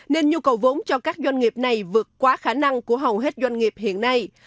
nên nhu cầu vốn cho các doanh nghiệp này vượt quá khả năng của hầu hết doanh nghiệp hiện nay